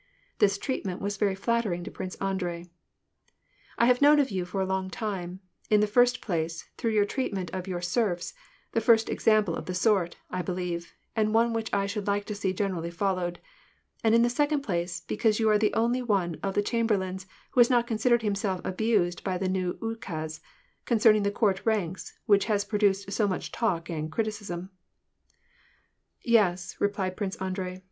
This treatment was very flattering to Prince Andrei. " I have known of you for a long time, — in the first place, through your treatment of your serfs, the first example of the sort, I believe, and one which I should like to see generally followed ; and in the second place, l)eeause you are the only one of the chamberlains who has not considered himself abused by the new ukaz, concerning the court ranks, which has pro duced so much talk and criticism." "Yes," replied Prince Andrei.